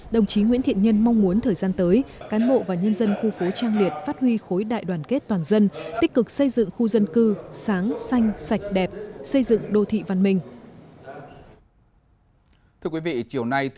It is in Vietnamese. đồng chí nguyễn thiện nhân mong muốn thời gian tới cán bộ và nhân dân khu phố trang liệt phát huy khối đại đoàn kết toàn dân tích cực xây dựng khu dân cư sáng xanh sạch đẹp xây dựng đô thị văn minh